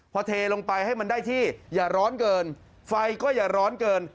พอเทลงไปให้มันได้ที่อย่าร้อนเกินไฟก็อย่าร้อนเกิน